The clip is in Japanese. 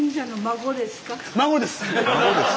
「孫です」。